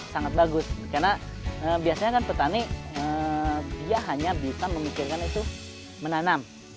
sangat bagus karena biasanya kan petani dia hanya bisa memikirkan itu menanam